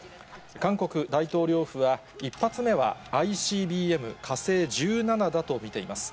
韓国大統領府は、１発目はＩＣＢＭ火星１７だと見ています。